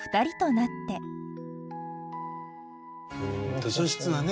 図書室はね